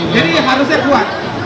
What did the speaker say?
jadi harusnya buat